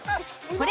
これ。